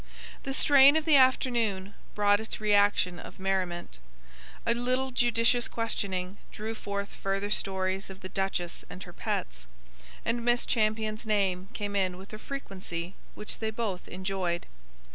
The strain of the afternoon brought its reaction of merriment. A little judicious questioning drew forth further stories of the duchess and her pets; and Miss Champion's name came in with a frequency which they both enjoyed.